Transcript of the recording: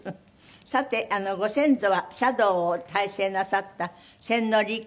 さてご先祖は茶道を大成なさった千利休。